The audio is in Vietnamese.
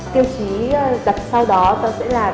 tiêu chí đặt sau đó sẽ là